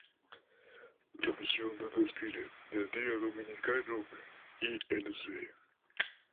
La misión del Desfile del Día Dominicano, Inc.